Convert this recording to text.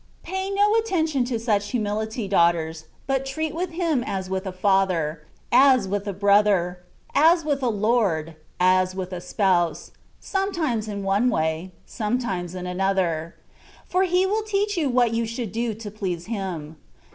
Pay no attention to such humility, daughters, but treat with Him as with a father, as with a brother, as with a lord, as with a spouse, some times in one way, sometimes in another ; for He will teach you what you should do to please Him.